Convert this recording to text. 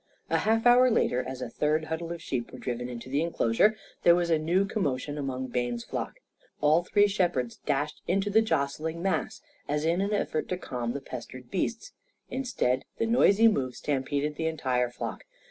A half hour later, as a third huddle of sheep were driven into the enclosure, there was a new commotion among Bayne's flock. All three shepherds dashed into the jostling mass as in an effort to calm the pestered beasts. Instead, the noisy move stampeded the entire flock.